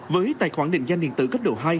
với tài khoản định danh điện tử cấp độ hai